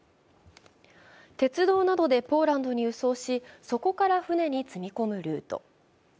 鉄道などでポーランドに輸送しそこから船に積み込むルート。